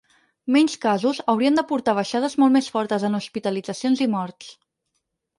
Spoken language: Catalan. Menys casos haurien de portar a baixades molt més fortes en hospitalitzacions i morts.